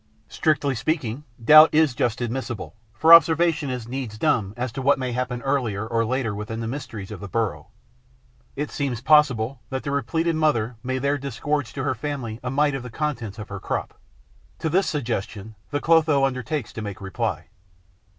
Strictly speaking, doubt is just admissible, for observation is needs dumb as to what may happen earlier or later within the mysteries of the burrow. It seems possible that the repleted mother may there disgorge to her family a mite of the contents of her crop. To this suggestion the Clotho undertakes to make reply.